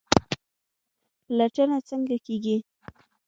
پلټنه څنګه کیږي؟